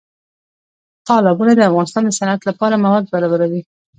تالابونه د افغانستان د صنعت لپاره مواد برابروي.